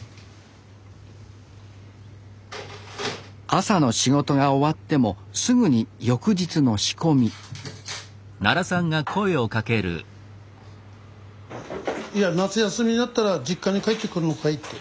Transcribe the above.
朝の仕事が終わってもすぐに翌日の仕込みいや夏休みになったら実家に帰ってくるのかいって。